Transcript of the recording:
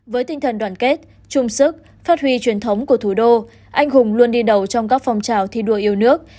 với tinh thần đoàn kết chung sức phát huy truyền thống của thủ đô anh hùng luôn đi đầu trong các phong trào thi đua yêu nước